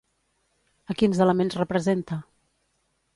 A quins elements representa?